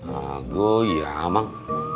aduh ya memang